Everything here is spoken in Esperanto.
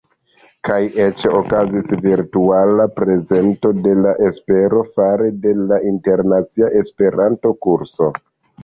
Kaj eĉ okazis virtuala prezento de La Espero fare de la Internacia Esperanto-Koruso.